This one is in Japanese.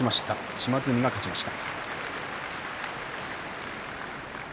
島津海が勝ちました。